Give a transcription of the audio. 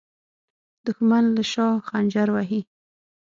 دښمن له شا خنجر وهي